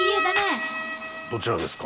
どちらですか？